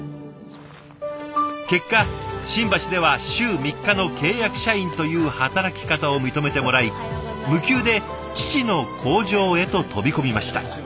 結果新橋では週３日の契約社員という働き方を認めてもらい無給で父の工場へと飛び込みました。